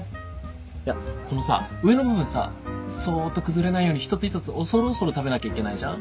いやこのさ上の部分さそっと崩れないように一つ一つ恐る恐る食べなきゃいけないじゃん？